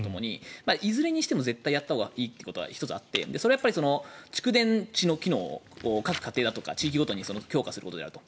いずれにしても絶対やったほうがいいというのはあってそれは蓄電池の機能を各家庭だとか地域ごとに強化することであると。